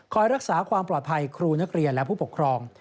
รักษาความปลอดภัยครูนักเรียนและผู้ปกครอง